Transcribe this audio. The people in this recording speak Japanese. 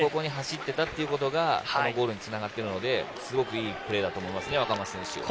ちゃんとここに走ってたっていうことが、ゴールに繋がってるのですごくいいプレーだと思います、若松選手。